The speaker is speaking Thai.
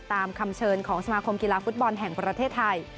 ตามคำเชิญของสมาคมกีฬาฟุตบอลแห่งประเทศไทย